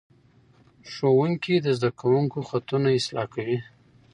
ښوونکي د زده کوونکو خطونه اصلاح کوي.